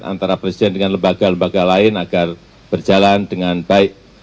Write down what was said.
antara presiden dengan lembaga lembaga lain agar berjalan dengan baik